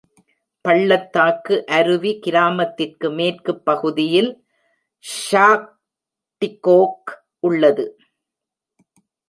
பள்ளத்தாக்கு அருவி கிராமத்திற்கு மேற்கு பகுதியில் ஷாக்டிகோக் உள்ளது.